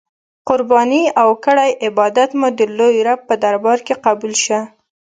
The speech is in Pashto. قربانې او کړی عبادات مو د لوی رب په دربار کی قبول شه.